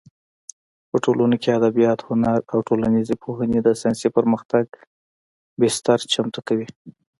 په ټولنو کې ادبیات، هنر او ټولنیزې پوهنې د ساینسي پرمختګ بستر چمتو کوي.